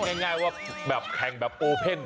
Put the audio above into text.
ง่ายว่าแบบแข่งแบบโอเพ่น